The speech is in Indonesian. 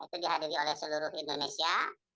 itu dihadiri oleh seluruh indonesia